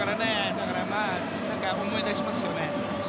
だから、何か思い出しますよね。